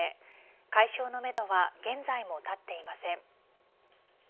解消のめどは現在もたっていません。